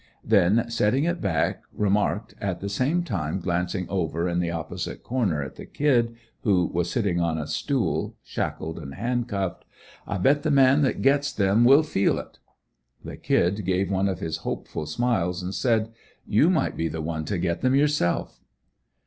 Then setting it back, remarked, at the same time glancing over in the opposite corner at the "Kid" who was sitting on a stool, shackled and hand cuffed: "I bet the man that gets them will feel it!" The "Kid" gave one of his hopeful smiles and said: "You might be the one to get them yourself."